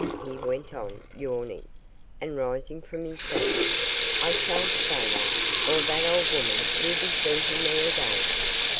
he went on, yawning, and rising from his seat; 'I shan't stay long, or that old woman will be seizing me again.